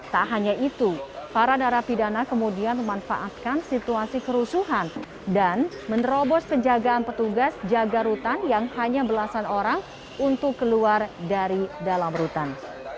tak hanya itu para narapidana kemudian memanfaatkan situasi kerusuhan dan menerobos penjagaan petugas jaga rutan yang hanya belasan orang untuk keluar dari dalam rutan